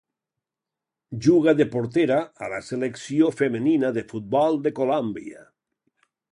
Juga de portera a la Selecció femenina de futbol de Colòmbia.